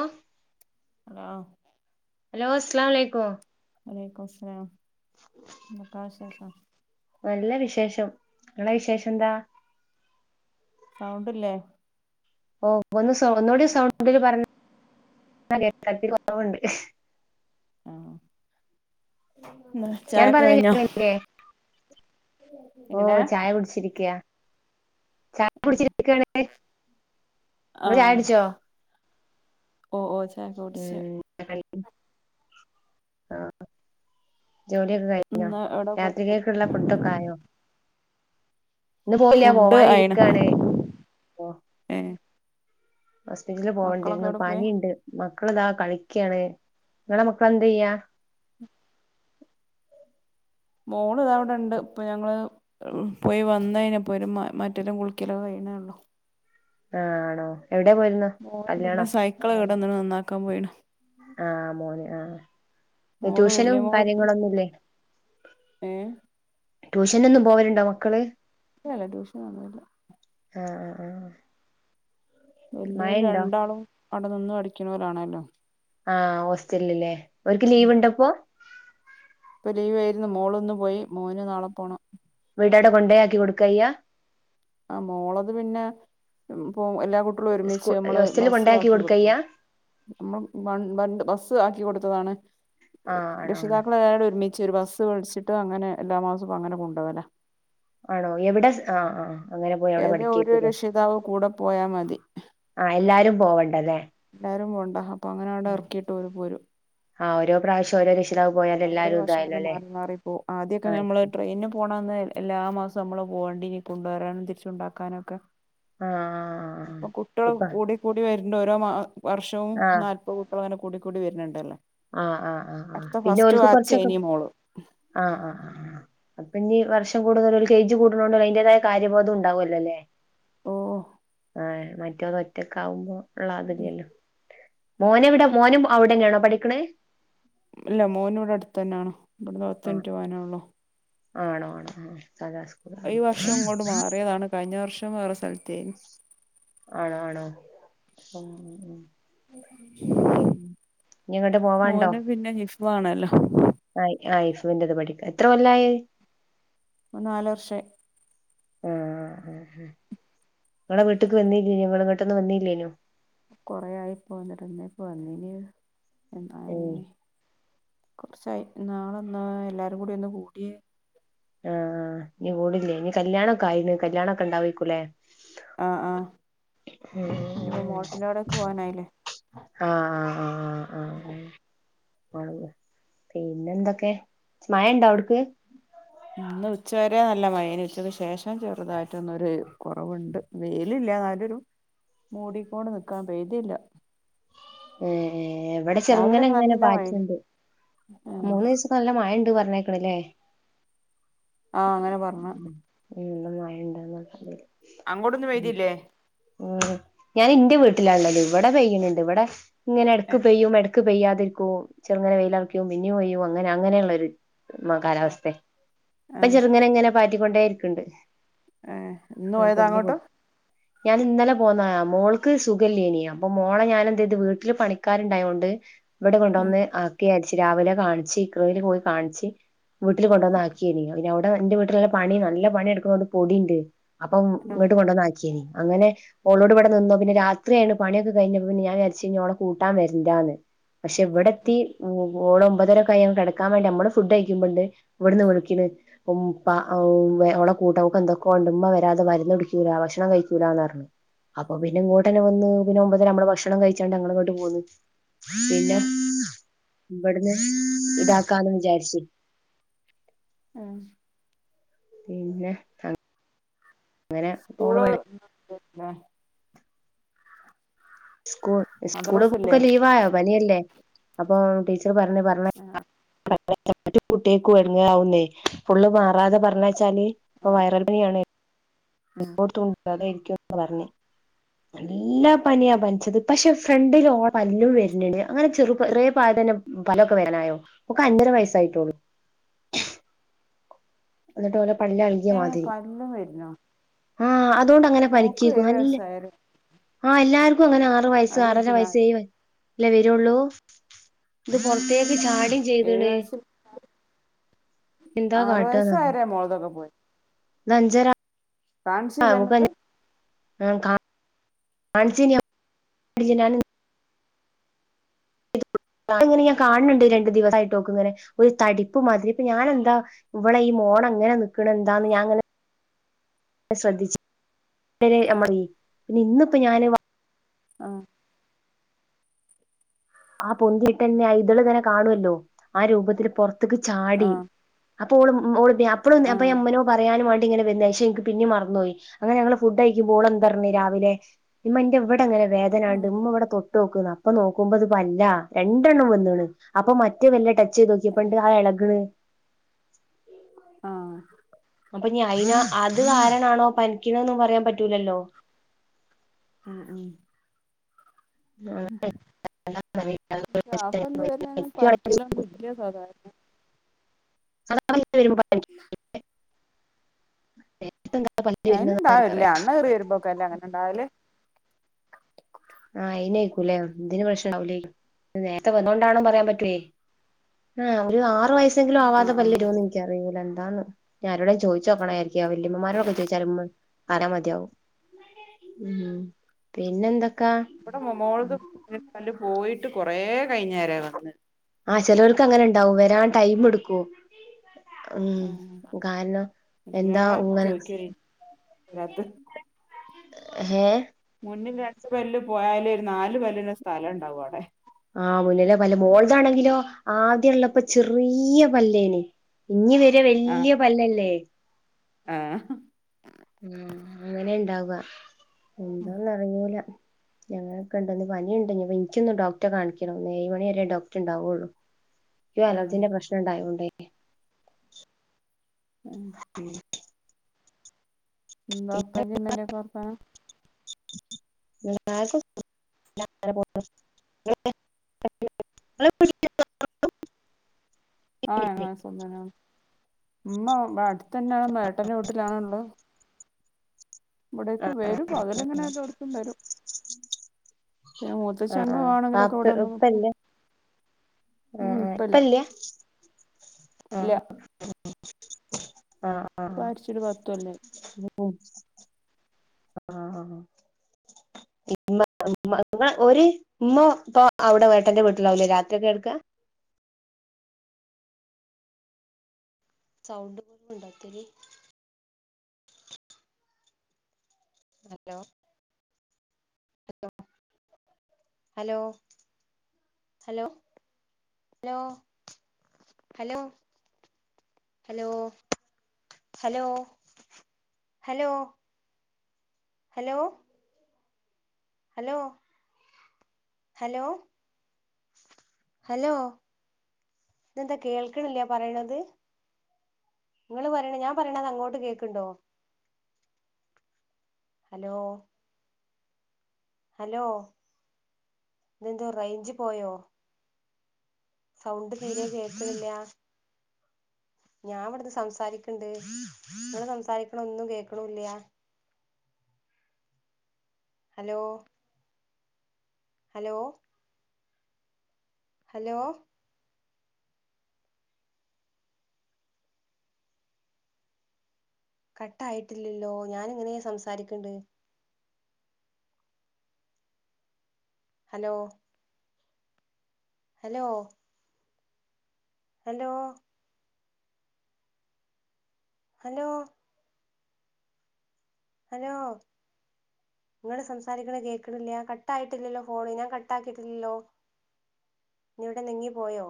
അഹ് ആഹ് ഹലോ അസലാമു അലൈക്കും വലൈക്കുസ്ലാം എന്തക്ക വിശേഷം നല്ല വിശേഷം, ഇങ്ങളെ വിശേഷം എന്താ സൗണ്ടില്ലേ ഓഹ് ഒന്ന് സൗ ഒന്നൂടി സൗണ്ടിൽ പർഞ്ഞ കേക്ക ഇത്തിരി കൊറവുണ്ട് ആഹ് ഞാൻ ചായക്കെ പറഞ്ഞ കൈഞ്ഞോ ഓഹ് ചായ കുടിച്ചിരിക്കാ ചായ ആഹ് കുടിച്ചിരിക്കാണ് ചായുട്ച്ചോ. ഓഹ് ഓഹ് ചായക്കെ കുടിച്ച് ഉം ആഹ് ജോലിയൊക്കെ കൈഞ്ഞോ ഇന്ന് എവിടെ പോയി രാത്രിക്കക്കിള്ള ഫുഡൊക്കായോ ഇന്ന് പോയില്ല ഫുഡ് ആയിണ് പോവാനിരിക്കാണ് ഓ ഏഹ് ഹോസ്പിറ്റലിൽ മക്കളൊക്കെ പോകേണ്ടിരുന്നു എവിടെ പോയി പനിണ്ട് മക്കളിതാ കളിക്കാണ് നിങ്ങളെമക്കളന്തിയ്യാ മോള് ഇതാവടെണ്ട് ഇപ്പൊ ഞങ്ങള് പോയി വന്നൈഞ്ഞപ്പോരു മ മറ്റോരെ കുളിക്കലൊക്കെ കയ്ണേള്ളൂ ആഹ് ആണോ എവ്ടേ പോയിര്ന്ന് മോൻ പിന്നെ സൈക്കിൾ കേടന്നിണ് നന്നാക്കാൻ പോയ്ണ് ആഹ് മോൻ ആഹ് മോള് ട്യൂഷനും വല്യ മോള് കാര്യങ്ങളൊന്നുല്ലേ ഏഹ് ട്യൂഷനൊന്നും പോവലുണ്ടോ മക്കള് ഇല്ലല്ല ട്യൂഷൻ ഒന്നുല്ല ആഹ് ആഹ് ആഹ് വെല്ല്യോല് മഴണ്ടോ രണ്ടാളും അവിടെ നിന്ന് പഠിക്ണോലാണല്ലോ ആഹ് ഹോസ്റ്റല്ല് ല്ലേ ഓൽക്ക് ലീവിണ്ടപ്പോ ഇപ്പൊ ലീവേര്ന്ന് മോളിന്നു പോയി മോന് നാളെ പോണം വീടടെ കൊണ്ടൊയാക്കി കൊടുക്കായ്യ ആഹ് മോളത് പിന്നെ പോ എല്ലാ കുട്ട് ളും സ്കൂ ഒരുമിച്ച് നമ്മള് ഹോസ്റ്റലിൽ ബസ് കൊണ്ടയാക്കി ആക്കി കൊടുത്തു കൊടുക്കയ്യ നമ്മള് ബ ബ ബസ്സ് ആക്കി കൊടുത്തതാണ് ആഹ് ആണോ ആണോ രക്ഷിതാക്കളെല്ലാ ഒരുമി ച്ചൊരു ബസ് വേടിച്ചിട്ട് അങ്ങനെ എല്ലാ മാസ അങ്ങനെ കൊണ്ടോകലാ ആണോ എവിടെസ് ആഹ് ആഹ് അങ്ങനെ പോയി അവിടെ ഏതൊ ഒര് പഠിക്കേക്കുല്ലേ രക്ഷിതാവ് കൂടെ പോയാൽ മതി ആഹ് എല്ലാരും പോവണ്ടല്ലെ എല്ലാരും പോണ്ട അപ്പോ അങ്ങെനവിടെ ഇറക്കിയിട്ട് ഓര് പോരും ആ ഓരോ പ്രാവശ്യഓരോ രക്ഷി ഓരോ വർഷം അങ്ങനെ മാറി മാറിപ്പോവുംആദ്യൊക്ക ആഹ് നമ്മള് ട്രെയിനിന് പോണന്ന് എല്ലാ മാസം നമ്മള് പോണ്ടീന് കൊണ്ടുവരാനും തിരിച്ചുകൊണ്ടാക്കാനൊക്കെ ആഹ് ഇപ്പൊ കുട്ട്യേൾ ഇപ്പ കൂടി കൂടി വരുന്നുണ്ട് ഓരോ മാ വർഷവും ആഹ് നാ ഇപ്പോ കുട്ട്യേളങ്ങനെ കൂടി കൂടി വരുന്നുണ്ടല്ലോ ആഹ് ആഹ് ആഹ് ആഹ് അടുത്ത പിന്നെ ഫസ്റ്റ് ഓൽക്ക് ബാച്ച് കുറച്ചൊക്കെ ഇനി മോള് ആഹ് ആഹ് ആഹ് അപ്പൊ ഇനി വർഷം കൂടുതൽ എയ്ജ് കൂട്ണോണ്ട് അതിന്റേതായ കാര്യബോദംണ്ടാവോല്ലോല്ലേ ഓ ആഹ് മറ്റത് ഒറ്റക്കാവുമ്പോ ഉള്ള അതില്ലല്ലോ മോനെവിടെ മോനും അവിടെന്നെയാണോ പഠിക്കണത് ഇല്ല മോനിവ്ടെ അടുത്ത് തന്നെയാണ് ഇവിടെന്ന്പത്തു ആഹ് മിനിറ്റ്പോവാനൊള്ളു ആണോ ആണോ ആഹ് സാദാ സ്കൂളായി ഈ വർഷം ഇങ്ങോട്ട് മാറിയതാണ് കഴിഞ്ഞ വർഷം വേറെ സ്ഥലത്തേന് ആണോ ആണോ ഉം ഉം ഉം പിന്നെ ഇനി എങ്ങോട്ട് മോന പോവാണ്ടോ പിന്നെ ഹിഫാണല്ലോ ആഹ് ആഹ് ഹിഫുന്റെ ടെ പഠിക്ക എത്ര കൊല്ലായി ഓൻ നാല് വർഷായി ആഹ് ആഹ് ആഹ് ആഹ് ങ്ങളെ വീട്ട്ക്ക് വന്നില്ലേനു ങ്ങളവീട്ട്ന്ന് വന്നില്ലേനു കൊറേ ആയിപ്പോവന്നിട്ട് ന്നിപ്പോ വന്നിന് ഉം [unintelligible] കുറച്ചായി ഇന്നാളൊന്ന് എല്ലാരും കൂടി ഒന്ന് കൂടിയെ ആഹ് ഇനികൂടില്ലേ ഇനികല്യാണമൊക്കെആയില്ലേ കല്യാണൊക്കെണ്ടാവോക്കൂലേ ആഹ് ആഹ് ഇനിപ്പോമോൾട്ടിന്റോട്ക്ക് പോവാനായില്ലേ ആഹ് ആഹ് ആഹ് ആഹ് ആഹ് ആ പിന്നെന്തൊക്കെ മയണ്ടോ അവിടക്ക് ഇന്ന് ഉച്ചവരെ നല്ലമഴേനു ഉച്ചക്ക് ശേഷം ചെറുതായിട്ടൊന്നൊരു കൊറവുണ്ട് വെയി ഇല്ല ഇല്ല നല്ലൊരു മൂടിക്കൊണ്ട് നിക്കാൻ പെയ്തില്ല ഏ ഏ വിടെ ചെറുങ്ങനെ രാവിലൊക്കെ ങ്ങനെ നല്ല മഴേനി പാറ്റണ്ട് മൂന്ന് ദിവസം ഇപ്പൊ നല്ല മഴ ണ്ട് പറഞ്ഞേക്കണല്ലേ ആഹ് അങ്ങനെ പറഞ്ഞു ന്ത മഴ ഉണ്ട നാട്ടില് അങ്ങോട്ടൊന്നും പെയ്തില്ലേ ഉം ഞാൻ എന്റെ വീട്ടിലാള്ളത് ഇവിടെ പെയ്യണണ്ട് ഇവിടെ ഇങ്ങനെ ഇടക്ക് പെയ്യും എട- ക്ക് പെയ്യാതിരിക്കോ ചെറങ്ങനെ വെയിലാറക്കോ പിന്നി പയ്യോ അങ്ങനെ അങ്ങനെയുള്ളൊരു കാലാവസ്ഥ ഇപ്പൊ ആഹ് ചെറുങ്ങനെ ഇങ്ങനെ പാറ്റിക്കൊണ്ടേരിക്കണ്ട് ഏഹ് ഇന്ന് ആഹ് പോയതാ പോടിഞ് പൊ അങ്ങോട്ട് ഞാൻ ഇന്നലെ പോന്ന മോൾക്ക് സുഖമില്ലേനിയ അപ്പൊ മോള ഞാന എന്ത് ചെയ്ത് വീട്- ട്ടില് പണിക്കാരുണ്ടായോണ്ട് ഇവിടെ കൊണ്ടുവന്ന് ആ ച്ച് രാവിലെ കാണിച്ച് ഇക്രയിൽ പോയി കാണിച്ച് വീട്ടിൽ കൊണ്ടുവന്ന ആക്കിനു പിന്ന അവിടെ എന്റെ വീട്ടിലുള്ള- പണി നല്ല പണി എടുക്കുന്നണ്ട് പൊടി ണ്ട് അപ്പം ഉം ഇങ്ങോട്ട് കൊണ്ടുവന് ആക്കി [inaudible] അങ്ങനെ ഓളോടിവിടെ നിന്നോ പിന്നെ രാത്രിയാണ് പണിയൊക്കെ കഴിഞ്ഞപ്പോ പിനെ ഞാൻ വിചാരിച്ചു ഇഞ്ഞി ഓലെ കൂട്ടാൻ വരണ്ടന്ന് പക്ഷെ ഇവിടെത്തി ഓള ഒമ്പതരോക്കെ കഴിഞ്ഞു കിടക്കാൻ വേണ്ടി നമ്മള് ഫുഡ് കഴുമ്പോണ്ട് ഇവിടുന് വിളിക്കണ് ഉ അവളടെ കൂട്ട നക്ക എന്തൊക്കെണ്ട് ഉമ്മ വരാതെ മരുന്ന് കുടിക്കൂല ഭക്ഷണം കഴിക്കൂലന്ന് പറഞ് അപ്പൊ പിന്നെ ഇങ്ങട്ടന്നെ വന്ന് പിന്നെ ഒമ്പത്തര നമ്മള് ഭക്ഷണംഴിച്ചാണ്ട് ഞങ്ങ- ണ്ടും മൂന്നും പിന്നെ ഇവിടുന്ന് ഇതാക്കാന്ന് വിചാരിച് മ്മ് പിന്നെ ആഹാ സ്കൂള് [inaudible] സ്കൂൾ സ്കൂള് മദ്രസല്ലേ പോക്കെ ലീവയോ പനിയല്ലേ അപ്പൊ ടീച്ചർ പറഞ് പറഞ്ഞ ആഹ് [inaudible] മാറ്റ് കുട്ടികൾക്കും ഇടങ്ങാറവുന്നേ ഫുള്ള് മാറാതെ പറഞ്ഞയച്ചാല് ഇപ്പൊ ആഹ് വൈറൽ പനിയാണ് ഉം എല്ലാടത്തും ഉണ്ടാക്കായിരിക്കും പറഞ് [inaudible] നല്ല പനിയാ പനിച്ചത് പക്ഷെ ഫ്രണ്ടില പല്ലും വരുന്നണ്ട് അങ്ങനെ ചെറു ചറിയ പായതം പലൊക്കെ വരാനായോ ഒക്ക അഞ്ചര വയസ്സായിട്ടോുള്ളൂ ന്നിട്ട് ഓളെ പല്ല് ഇളകിയ മാതിരി എന്നും വേര്ന്നോ ആഹ് അതുകൊണ്ട് അങ്ങനെ പരിക്കേക്കും നല്ല- വയസ്സായില്ലേ ആഹ് എല്ലാർകും അങ്ങനെ ആറു വയസ് ആറര അതേക്കും വയസ് നാല് അല്ലേ വരുള്ളൂ ഇത് പുറത്തേക്ക് ചാടം ഏഴു ചെയ്തണേ വയസ്സിൽ എന്താ ആറു കാട്ടാന്ന് വയസ്സായരെ മോളതൊക്കെ പോയി ന്നഞ്ചര കാണിച്ചില്ല എന്നിട്ട് [inaudible] ആഹ കാ കാനി [inaudible] ഇങ്ങനെ ഞാൻ കാണണ്ട് രണ്ടു ദിവസായിട്ടക്കെ ഇങ്ങനെ ഒരു തടിപ്പ് മാതിരി ഇപ്പൊ ഞാനെന്താ ഇവിടെ ഈ മോണ എങ്ങനെ നിക്കണ എന്താന്ന് ഞാ- ശ്രദ്ധിച് മ പിന്നെ ഇന്നിപ്പോ ഞൻ ആഹ് ആഹ പൊന്തിയിട്ടന്നെ ഇതള് തന്നെ കാണുമല്ലോ ആ രൂപത്തിൽ പുറത്തേക്ക് ചാടി ആഹ് അപ്പൊഓൾ ഓൾ അപ്പളൊ അപ്പ ആഹ് അമ്മനോ പറയൻ വേണ്ടിങ്ങനെ വരക്ഷക്ക്- പിനെ മറന്നപോയി അങ്ങന ഞങ്ങള് ഫുഡ് കഴിക്കുമ്പോൾ ഓളെന്ത് പറഞ്ഞു രാവിലെ മ്മ ന്റെ ഇവിടെ - ഇവി അങ്ങന വേതന ഉണ്ട് മ്മ ബടെ തൊട്ട് നോക്ക് നോക്ക അപ്പൊ നോക്കുമ്പോത് പല്ല രണ്ടെണ്ണം വന്നക്കണ് അപ്പൊ മറ്റേ വല്ല ടച്ച് ചെയ്ത് നോക്കിയപ്പ ഉണ്ട് ആ ഇളകണ് ആഹ് അപ്പൊ അയിന്ന അത് കാരണാണോ പനിക്കണോന്നും പറയാൻ പറ്റൂലല്ലോ മ് മ് ആ പല്ല് വരുന്നെന്ന് പനിക്കലൊന്നും മില്ല സാധാരണ [inaudible] അയിന് ഉണ്ടാവില്ല ആർക്കറിയാം അണ് കയറി വരുമ്പോക്ക അല്ലേ അങ്ങനെ ഉണ്ടാവല് ആഹ് ഇനക്കൂലേ ഇതിന് പ്രശ്നം ആവൂലേ നേരത്തെ വന്ന കൊണ്ടാണോ പറയാൻ പറ്റുവേ ആഹ ഒരു ആറു വയസെങ്കിലും ആവാതെ പല്ലരുവോന്നു എനിക്ക് എനിക്കറിയില്ല എന്താണ് ഇനി ആരോടേലും ചോദിച്ച നോക്കണായിരിക്കും വല്യമ്മമാരോ ചോദിച്ചാമ്മ വരാ മതിയാവും ഉ പിന്നെ എന്തൊക്കാ ഇവിടെ മമോളല്ല് പോയിട്ട് കുറേ കഴിഞ്ഞേര വന്ന് ആഹ് ചെിലവർക്ക് അങ്ങനെ ഉണ്ടാവും വരാൻ ടൈം എടുക്കു ഉം കാരണം എന്താ എല്ലാരും ഇങ്ങനെ ചോദിക്കല് വരാത്ത് ഏഹ് മുന്നിൽ രണ്ടു പല്ല് പോയാലെ ഒര് നാല് പല്ലിന്ള്ളെ സ്ഥലണ്ടാവും അവടെ ആഹ് മുന്നിലെ പല്ല് മോൾതാണെങ്കിലോ ആദ്യള്ളപ്പൊ ചെറിയ പല്ലേനി. ഇഞ്ഞി വരെ ആഹ് വെല്ല്യ പല്ലല്ലേ ആഹ് ആഹ് അങ്ങനെ ണ്ടാവ്വ. എന്തോ ന്നറിയൂല ഞങ്ങൾക്ക്ണ്ട് ന്ന് പിനിണ്ട് ഞ്ഞിപ്പം ഇൻക്കിന്ന് ഡോക്റ്റെ കാണിക്കണം. ഇന്ന് ഏഴ് മണി വരെ ഡോക്‌ട്ണ്ടാവൊള്ളു ക്കും ആഹ് അലർജിന്റെ പ്രശ്നം ണ്ടായോണ്ടേ ഉം ന്താ പ്പൻ്റിം മ്മൻ്റിം ഒക്കെ വർത്താനം എല്ലാർക്കും [unintelligible] അങ്ങനെ പോണ് [unintelligible] ആഹ് ഞങ്ങൾക്ക് സുഖം തന്നേണ്. മ്മ ബ അട്‌ത്തെന്നേണൊ മ്മ ഏട്ടന്റെ വീട്ട്ലാണൊ ള്ളെ വടേക്ക് വരും. പകലങ്ങനെ എല്ലോട്ത്തും വരും. പിന്നെ മൂത്തച്ചി അങ്ങ് ആഹ് ആഹ് പോകാണെങ്കിലൊക്കെ ആപ്പ് വടെ വന്ന് ന്നിക്കും. ഇപ്പല്ലേ ആഹ് ആഹ് പ്പല്ല്യാ. ആ ഇല്ല ഹ് ആഹ് പ്പ ആഹ് മര്ച്ചിട്ട് പത്തൊല്ലായ് [unintelligible] ആഹ് ആഹ് ഇമ്മ മ്മ മ്മ ഓര് മ്മ പ്പൊ അവ്ടെ ഏട്ടന്റെ വീട്ട്ലാവുലേ രാത്രി ഒക്കെ കെട്ക്കാ സൗണ്ട് പോവ്‌ണ്ടൊ ഇത്തിരി hello hello, hello hello, hello, hello hello, hello hello, hello hello, hello hello ഇതെന്താ കേൾക്ക്ണില്ല്യാ പറയണത്? ങ്ങള് പറയണെ ഞാൻ പറയണെത് അങ്ങോട്ട് കേക്ക്ണ്ടോ? ഹലോ ഹലോ ഇതെന്തോ റെയ്ഞ്ച് പോയോ സൗണ്ട് തീരെ കേക്ക്ണില്ലാ. ഞാ വട്ന്ന് സംസാരിക്ക്ണ്ട്. ങ്ങള് സംസാരിക്ക്ണെ ഒന്നും കേക്ക്ണൂല്ല്യാ. ഹലോ ഹലോ ഹലോ കട്ടായിട്ടില്ലല്ലോ ഞാന്ങ്ങനേ സംസാരിക്ക്ണ്ട്. Hello hello hello hello hello ങ്ങള് സംസാരിക്ക്ണെ കേക്ക്ണില്ല്യാ. കട്ടായിട്ടില്ലല്ലോ ഫോണ്. ഞാൻ കട്ടാക്കിയിട്ടില്ലല്ലോ ഞ്ഞെ വിടേം നെങ്ങി പോയോ.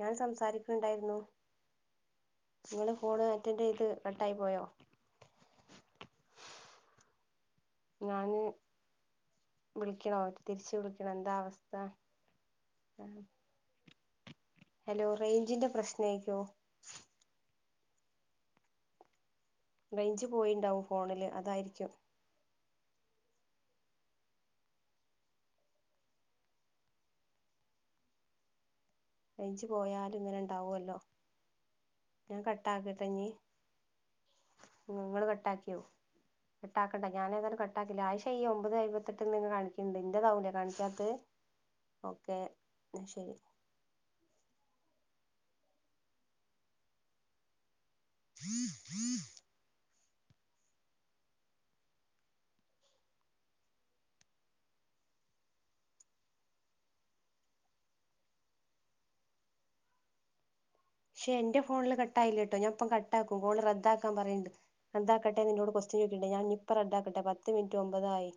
ഞാൻ സംസാരിക്ക്‌ണ്ടായിരുന്നു. ങ്ങള് ഫോണ് അറ്റൻടൈയ്ത് കട്ടായി പോയോ? ഞാന് വിളിക്കണൊ തിരിച്ച് വിളിക്കണൊ എന്താ അവസ്ഥ ആഹ് ഹലോ റേഞ്ചിന്റെ പ്രശ്നേക്കോ റേഞ്ച് പോയിണ്ടാവും ഫോണിൽ അതായിരിക്കും റേഞ്ച് പോയാലും ഇങ്ങനെ ണ്ടാവുവല്ലോ ഞാൻ കട്ടാക്കട്ടഞ്ഞീ ഇങ്ങള് കട്ടാക്കിയോ കെട്ടാക്കണ്ട ഞാൻ ഏതാലും കെട്ടാക്കില്ല ആയ്ഷ്യയ്യാ ഒമ്പത് അയ്മ്പതി എട്ട് നിങ്ങ കാണിക്കിണിണ്ട് എന്റെ താവൂലേ കാണിക്കാത്ത് ഓക്കെ ശരി ഉം ഉം പക്ഷെ എന്റെ ഫോണില് കട്ടായില്ല ട്ടോ ഞാൻപ്പം കട്ടാക്കും കോൾ റദ്ദാക്കാൻ പറയ്ണിണ്ട് റദ്ധാക്കട്ടെ ന്നിന്നോട് കൊസ്റ്റൻ ചോയിക്കിണിണ്ട് ഞൻ ഞ്ഞി പ്പ റദ്ധാക്കട്ടെ പത്ത് മിനിറ്റ് ഒമ്പതായി